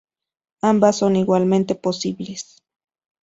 Ambas son igualmente posibles.